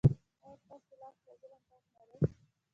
ایا ستاسو لاس له ظلم پاک نه دی؟